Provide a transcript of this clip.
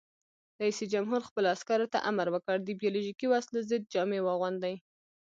رئیس جمهور خپلو عسکرو ته امر وکړ؛ د بیولوژیکي وسلو ضد جامې واغوندئ!